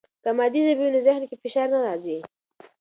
که مادي ژبه وي، نو ذهن کې فشار نه راځي.